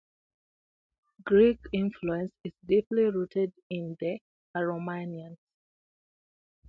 Greek influence is deeply rooted in the Aromanians.